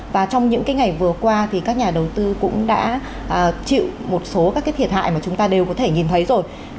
và trong những ngày vừa qua thì các nhà đầu tư cũng đã chịu một số các cái thiệt hại mà chúng ta đều có thể nhìn thấy rồi